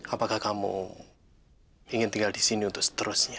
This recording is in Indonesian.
apakah kamu ingin tinggal di sini untuk seterusnya